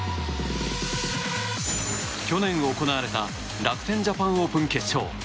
去年、行われた楽天ジャパン・オープン決勝。